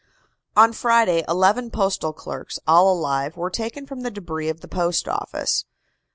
On Friday eleven postal clerks, all alive, were taken from the debris of the Post Office.